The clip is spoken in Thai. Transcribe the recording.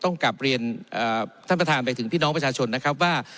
กลับเรียนท่านประธานไปถึงพี่น้องประชาชนนะครับว่า